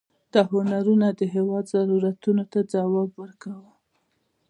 دا هنرونه د هېواد ضرورتونو ته ځواب ورکاوه.